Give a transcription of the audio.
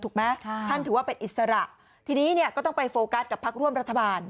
ท่านถือว่าเป็นอิสระทีนี้เนี่ยก็ต้องไปโฟกัสกับพักร่วมรัฐบาล